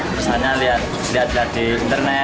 terus hanya lihat lihat di internet